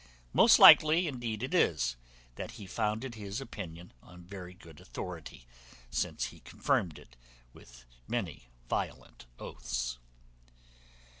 Most likely indeed it is, that he founded his opinion on very good authority, since he confirmed it with many violent oaths.